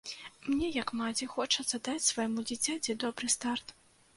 Мне як маці хочацца даць свайму дзіцяці добры старт.